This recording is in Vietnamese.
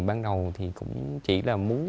ban đầu thì cũng chỉ là muốn